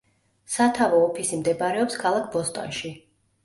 სათავო ოფისი მდებარეობს ქალაქ ბოსტონში.